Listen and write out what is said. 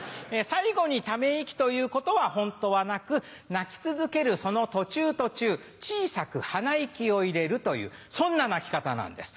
最後にため息ということはホントはなく鳴き続けるその途中途中小さく鼻息を入れるというそんな鳴き方なんです。